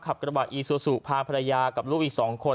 กระบะอีซูซูพาภรรยากับลูกอีก๒คน